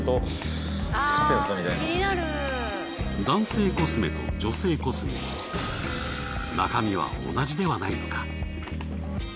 男性コスメと女性コスメ中身は同じではないのか？